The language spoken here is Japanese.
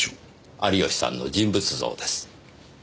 有吉さんの人物像です。